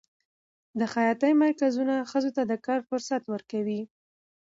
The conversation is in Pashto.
د خیاطۍ مرکزونه ښځو ته د کار فرصت ورکوي.